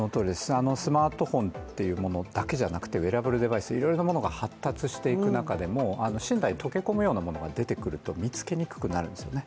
スマートフォンというものだけじゃなくて、ウェアラブルデバイス、いろいろなものが発達していく中でも、溶け込むようなものが出てくると見つけにくくなってくる。